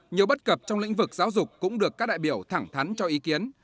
nhiều bất cập trong lĩnh vực giáo dục cũng được các đại biểu thẳng thắn cho ý kiến